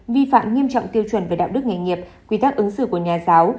vi phạm nghiêm trọng tiêu chuẩn về đạo đức nghề nghiệp quy tắc ứng xử của nhà giáo